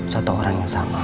satu orang yang sama